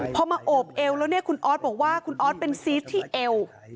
พอมาโอบเอวแล้วเนี่ยคุณออสบอกว่าคุณออสเป็นซีสที่เอว